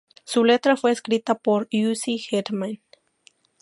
Su letra fue escrita por Uzi Hitman.